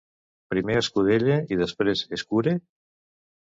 Primer escudelle i després, escure?